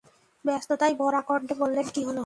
ব্যস্ততায় ভরা কণ্ঠে বললেন, কি হল,!